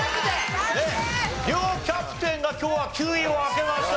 両キャプテンが今日は９位を開けました。